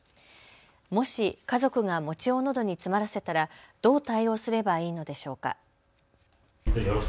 もし家族が餅をのどに詰まらせたら、どう対応すればいいのでしょうか。